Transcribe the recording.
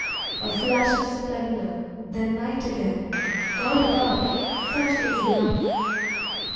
A flash of splendour, then night again, God above, Such is love!